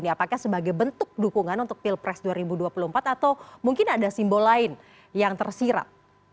apakah sebagai bentuk dukungan untuk pilpres dua ribu dua puluh empat atau mungkin ada simbol lain yang tersirat